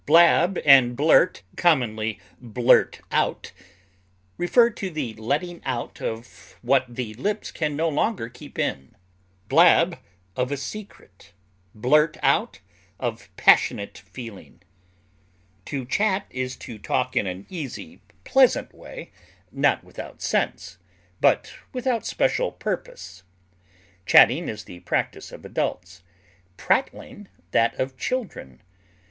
Blab and blurt (commonly blurt out) refer to the letting out of what the lips can no longer keep in; blab, of a secret; blurt out, of passionate feeling. To chat is to talk in an easy, pleasant way, not without sense, but without special purpose. Chatting is the practise of adults, prattling that of children.